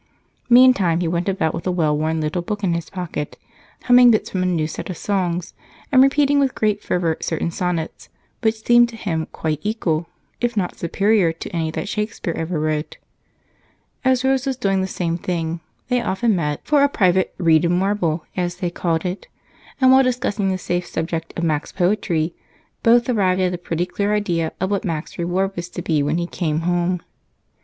Meantime he went about with a well worn little book in his pocket, humming bits from a new set of songs and repeating with great fervor certain sonnets which seemed to him quite equal, if not superior, to any that Shakespeare ever wrote. As Rose was doing the same thing, they often met for a private "read and warble," as they called it, and while discussing the safe subject of Mac's poetry, both arrived at a pretty clear idea of what Mac's reward was to be when he came home.